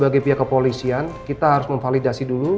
sebagai pihak kepolisian kita harus memvalidasi dulu